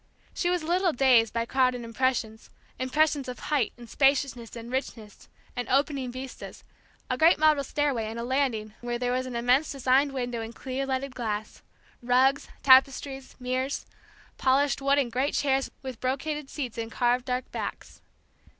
She was a little dazed by crowded impressions; impressions of height and spaciousness and richness, and opening vistas; a great marble stairway, and a landing where there was an immense designed window in clear leaded glass; rugs, tapestries, mirrors, polished wood and great chairs with brocaded seats and carved dark backs.